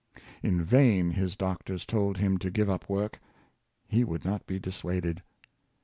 In vain his doctors told him to give up work; he would not be dissuaded.